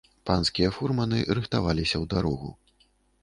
Панскія фурманы рыхтаваліся ў дарогу.